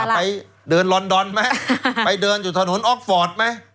ไปเดินลอนดอนไหมไปเดินอยู่ถนนออกฟอร์ตไหม